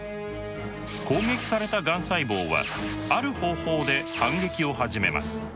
攻撃されたがん細胞はある方法で反撃を始めます。